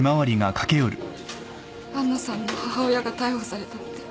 杏奈さんの母親が逮捕されたって。